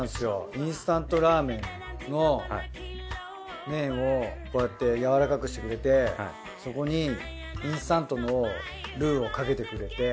インスタントラーメンの麺をこうやってやわらかくしてくれてそこにインスタントのルウをかけてくれて。